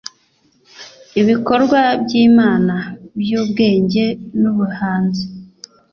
ibikorwa by'imana, byubwenge nubuhanzi